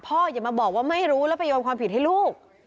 อย่ามาบอกว่าไม่รู้แล้วไปโยนความผิดให้ลูก